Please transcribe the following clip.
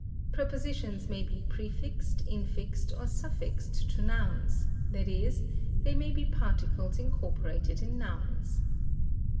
Prepositions may be prefixed, infixed, or suffixed to nouns, i.e., they may be particles incorporated in nouns.